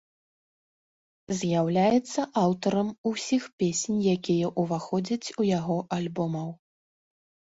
З'яўляецца аўтарам усіх песень, якія ўваходзяць у яго альбомаў.